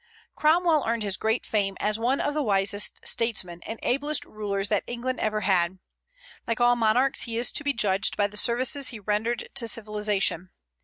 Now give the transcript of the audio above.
Cromwell earned his great fame as one of the wisest statesmen and ablest rulers that England ever had. Like all monarchs, he is to be judged by the services he rendered to civilization.